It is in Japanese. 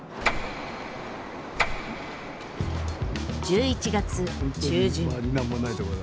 １１月中旬。